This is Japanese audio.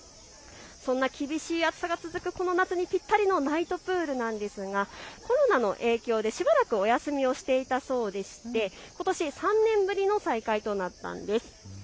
そんな厳しい暑さが続くこの夏にぴったりのナイトプールなんですがコロナの影響でしばらくお休みをしていたそうでしてことし３年ぶりの再開となったんです。